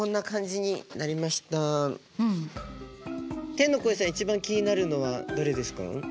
天の声さん一番気になるのはどれですか？